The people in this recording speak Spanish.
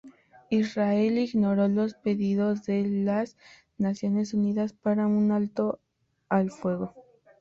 Israel ignoró los pedidos de las Naciones Unidas para un alto al fuego.